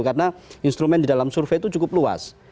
karena instrumen di dalam survei itu cukup luas